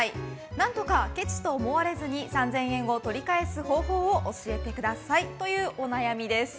何とかケチと思われずに３０００円を取り返す方法を教えてくださいというお悩みです。